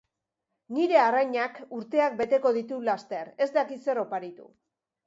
Nire arrainak urteak beteko ditu laster. Ez dakit zer oparitu.